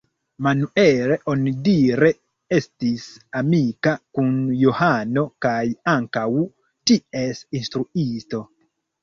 Manuel onidire estis amika kun Johano kaj ankaŭ ties instruisto.